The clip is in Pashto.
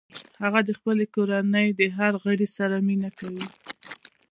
هغه د خپلې کورنۍ د هر غړي سره مینه کوي